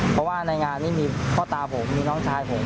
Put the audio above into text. เพราะว่าในงานนี้มีพ่อตาผมมีน้องชายผม